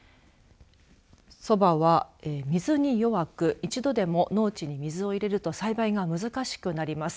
そばは水に弱く一度でも農地に水を入れると栽培が難しくなります。